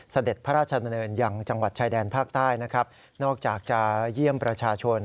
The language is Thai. สเด็ดพระราชดนเนินอย่างจังหวัดชายแดนภาคใต้นอกจากจะเยี่ยมประชาชน